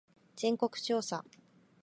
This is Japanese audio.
全国調査